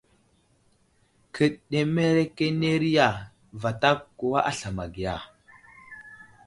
Kəɗeremekeneri ya, vatak kəwa aslam ma ge ya ?